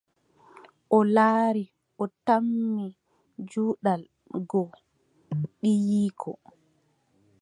O laari, o tammi juɗal goo, ɓiyiiko ;